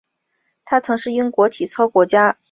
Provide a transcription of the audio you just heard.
他曾经是英国体操国家队的成员。